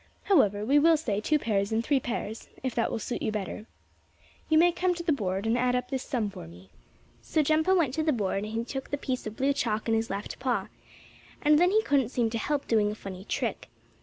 However, we will say two pears and three pears, if that will suit you better. You may come to the board and add up this sum for me." So Jumpo went to the board, and he took the piece of blue chalk in his left paw. And then he couldn't seem to help doing a funny trick.